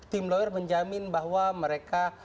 tim lawyer menjamin bahwa mereka